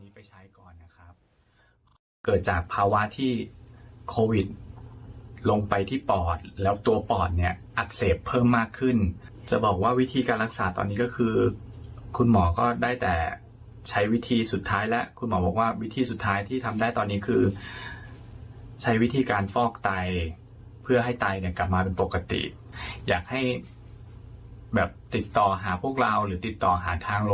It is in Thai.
ไปใช้ก่อนนะครับเกิดจากภาวะที่โควิดลงไปที่ปอดแล้วตัวปอดเนี่ยอักเสบเพิ่มมากขึ้นจะบอกว่าวิธีการรักษาตอนนี้ก็คือคุณหมอก็ได้แต่ใช้วิธีสุดท้ายแล้วคุณหมอบอกว่าวิธีสุดท้ายที่ทำได้ตอนนี้คือใช้วิธีการฟอกไตเพื่อให้ไตเนี่ยกลับมาเป็นปกติอยากให้แบบติดต่อหาพวกเราหรือติดต่อหาทาง